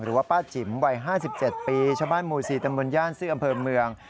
ป้าจิ๋มวัย๕๗ปีชาวบ้านหมู่๔ตำบลย่านซื้ออำเภอเมือง